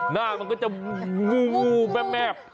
หน้ามันก็จะว่วแมบ